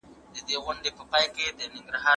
دا دواړه برخې باید له ګډې لارې پرمخ لاړې سي.